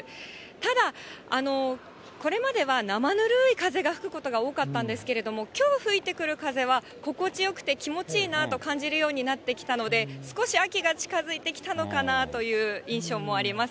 ただ、これまではなまぬるい風が吹くことが多かったんですけれども、きょう吹いてくる風は心地よくて気持ちいいなと感じるようになってきたので、少し秋が近づいてきたのかなという印象もあります。